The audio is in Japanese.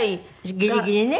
ギリギリね。